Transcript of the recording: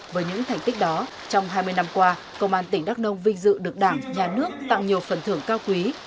với những thành tích đó trong hai mươi năm qua công an tỉnh đắk nông vinh dự được đảng nhà nước tặng nhiều phần thưởng cao quý